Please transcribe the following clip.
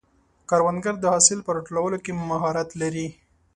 کروندګر د حاصل په راټولولو کې مهارت لري